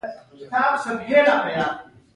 د سترګو د پاکوالي لپاره کوم څاڅکي وکاروم؟